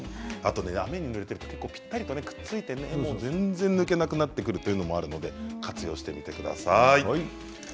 雨にぬれてぴったりくっついて全然、抜けなくなってくることもあるので活用してみてください。